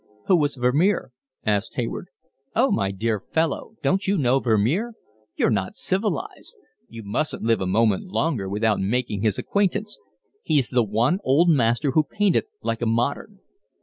"Who was Vermeer?" asked Hayward. "Oh, my dear fellow, don't you know Vermeer? You're not civilised. You mustn't live a moment longer without making his acquaintance. He's the one old master who painted like a modern."